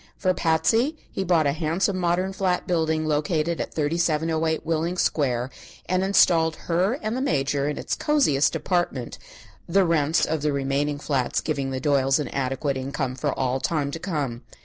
For Patsy he bought a handsome modern flat building located at 3708 Willing Square, and installed her and the Major in its cosiest apartment, the rents of the remaining flats giving the Doyles an adequate income for all time to come.